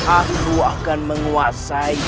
aku akan menguasai